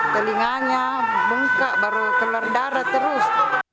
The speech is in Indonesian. telinganya bungka baru keluar darah terus